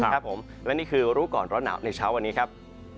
ครับผมและนี่คือรู้ก่อนร้อนหนาวในเช้าวันนี้ครับ